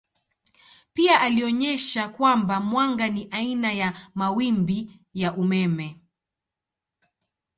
Pia alionyesha kwamba mwanga ni aina ya mawimbi ya umeme.